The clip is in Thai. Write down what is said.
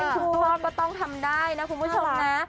คุณพ่อก็ต้องทำได้นะคุณผู้ชมนะ